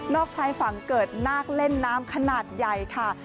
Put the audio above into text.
ชายฝั่งเกิดนาคเล่นน้ำขนาดใหญ่ค่ะ